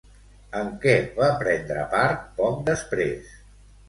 En què va prendre part poc després?